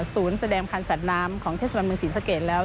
ศูนย์แสดงคันสัตว์น้ำของเทศบันเมืองศรีสะเกดแล้ว